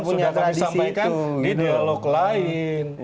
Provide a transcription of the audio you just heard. sudah kami sampaikan di dialog lain